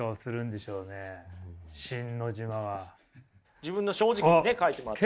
自分の正直にね書いてもらって。